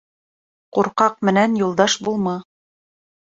Курҡаҡ менән юлдаш булма